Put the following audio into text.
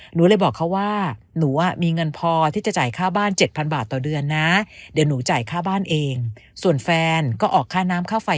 หนูเลยบอกเขาว่าหนูอ่ะมีเงินพอที่จะจ่ายค่าบ้าน๗๐๐๐บาทต่อเดือนนะ